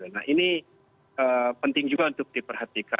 nah ini penting juga untuk diperhatikan